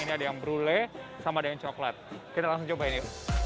ini ada yang brule sama ada yang coklat kita langsung coba ini